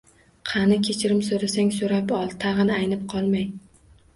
Qani, kechirim soʻrasang soʻrab ol, tagʻin aynib qolmay.